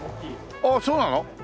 ああそうなの？